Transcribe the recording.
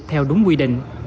theo đúng quy định